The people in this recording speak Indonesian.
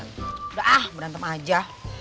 nggak ah berantem aja